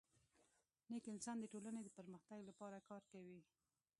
نیک انسان د ټولني د پرمختګ لپاره کار کوي.